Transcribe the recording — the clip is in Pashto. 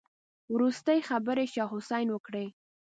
وروستۍ خبرې شاه حسين وکړې.